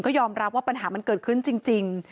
ก็ยอมรับว่าปัญหามันเกิดขึ้นจริง